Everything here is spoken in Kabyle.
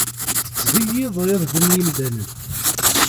Tettheyyiḍ irden i yimdanen.